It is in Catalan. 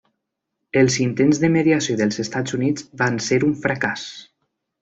Els intents de mediació dels Estats Units van ser un fracàs.